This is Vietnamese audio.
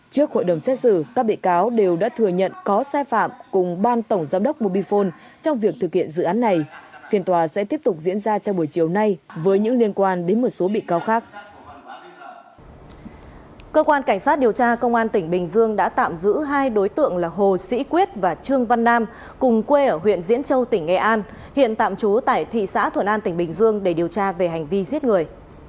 cảnh sát điều tra công an tỉnh bình dương đã tạm giữ hai đối tượng là hồ sĩ quyết và trương văn nam cùng quê ở huyện diễn châu tỉnh nghệ an hiện tạm trú tại thị xã thuần an tỉnh bình dương để điều tra về hành vi giết người